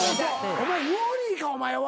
ウォーリーかお前は。